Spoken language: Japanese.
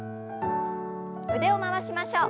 腕を回しましょう。